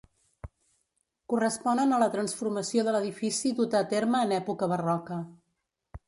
Corresponen a la transformació de l'edifici duta a terme en època barroca.